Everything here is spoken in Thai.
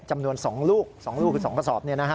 จำนวน๒ลูกคือ๒ผสอบ